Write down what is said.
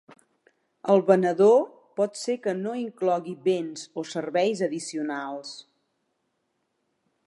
El venedor pot ser que no inclogui béns o serveis addicionals.